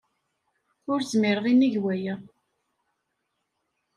Ur zmireɣ i nnig waya.